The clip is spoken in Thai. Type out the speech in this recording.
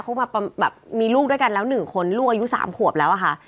เขามาแบบมีลูกด้วยกันแล้ว๑คนลูกอายุ๓ขวบแล้วอะค่ะ